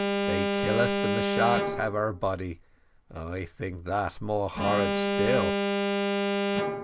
They kill us, and the sharks have our body. I think that more horrid still."